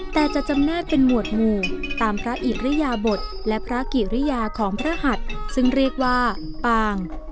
แต่จะจำแนกเป็นหมวดหมู่ตามพระอิริยาบทและพระกิริยาของพระหัสซึ่งเรียกว่าปาง